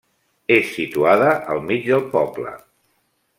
És situada al mig del poble.